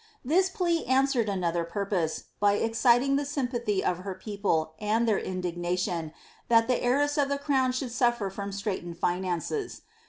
This plea answered another purpose, by exciting the sympathy of her people, and their indignation, that the heiress of the crown should suffer from straitened finances.